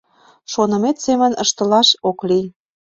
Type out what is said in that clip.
Шонымет семын ыштылаш ок лий.